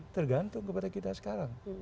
tergantung kepada kita sekarang